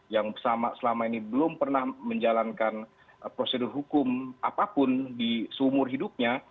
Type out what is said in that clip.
yang selama ini belum pernah menjalankan prosedur hukum apapun di seumur hidupnya